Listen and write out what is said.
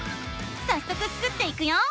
さっそくスクっていくよ。